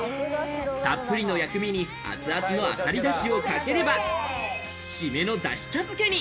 たっぷりの薬味に熱々のアサリ出汁をかければ、締めのだし茶漬けに。